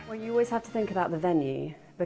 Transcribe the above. anda harus berpikir tentang venue